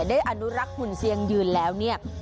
อนุรักษ์หุ่นเซียงยืนแล้วเนี่ย